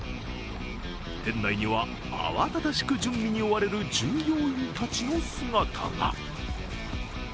店内には慌ただしく準備に追われる従業員たちの姿が。